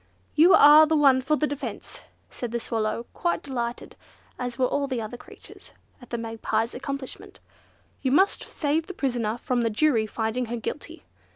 "You are the one for the defence!" said the Swallow, quite delighted, as were all the other creatures, at the Magpie's accomplishment; "you must save the prisoner from the jury finding her guilty."